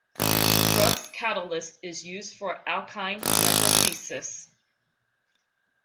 Grubbs' catalyst is used for alkene metathesis.